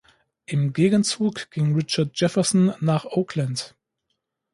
Im Gegenzug ging Richard Jefferson nach Oakland.